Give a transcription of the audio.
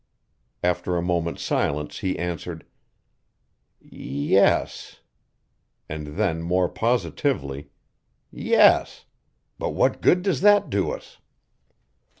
After a moment's silence he answered: "Ye es," and then more positively: "Yes. But what good does that do us?"